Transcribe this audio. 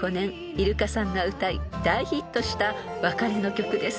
イルカさんが歌い大ヒットした別れの曲です］